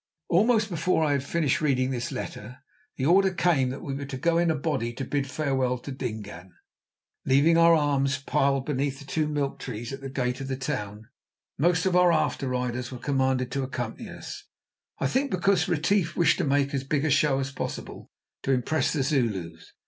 Almost before I had finished reading this letter, the order came that we were to go in a body to bid farewell to Dingaan, leaving our arms piled beneath the two milk trees at the gate of the town. Most of our after riders were commanded to accompany us—I think because Retief wished to make as big a show as possible to impress the Zulus.